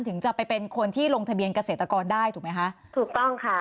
ถึงจะไปเป็นคนที่ลงทะเบียนเกษตรกรได้ถูกไหมคะถูกต้องค่ะ